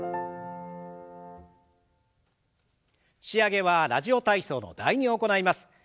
仕上げは「ラジオ体操」の「第２」を行います。